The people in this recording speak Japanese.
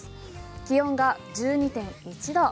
気温が１２．１度。